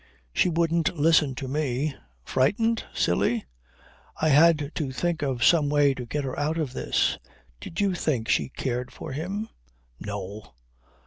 She wouldn't listen to me. Frightened? Silly? I had to think of some way to get her out of this. Did you think she cared for him? No!